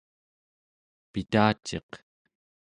pitaciq